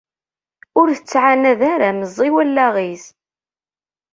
Ur t-ttɛanad ara meẓẓi wallaɣ-is.